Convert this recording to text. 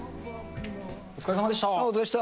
お疲れさまでした。